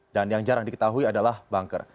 dan yang jarang diketahui adalah banker